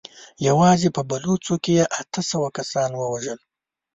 يواځې په بلوڅو کې يې اته سوه کسان ووژل.